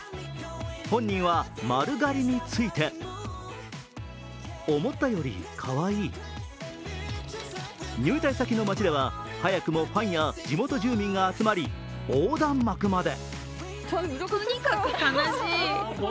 本人は丸刈りについて入隊先の街では早くもファンや地元住民が集まり横断幕まで。